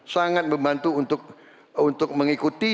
sangat membantu untuk mengikuti